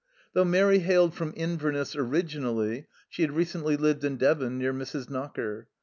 Though Mairi hailed from Inverness originally, she had recently lived in Devon near Mrs. Knocker.